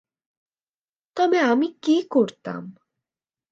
তবে আমি কী করতাম?